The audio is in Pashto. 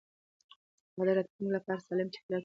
هغه د راتلونکي لپاره سالم چاپېريال پرېښود.